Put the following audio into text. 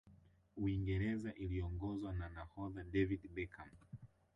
uingereza iliongozwa na nahodha david beckham